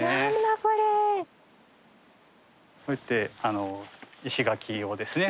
こうやって石垣をですね